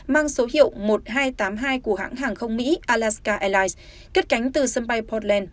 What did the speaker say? mang số hiệu một nghìn hai trăm tám mươi hai của hãng hàng không mỹ alaska airlines kết cánh từ sân bay potland